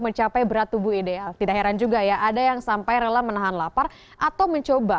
mencapai berat tubuh ideal tidak heran juga ya ada yang sampai rela menahan lapar atau mencoba